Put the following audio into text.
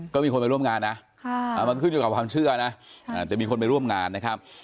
ก็มีคนไปร่วมงานนะมันขึ้นอยู่กับความเชื่อนะจะมีคนไปร่วมงานนะครับ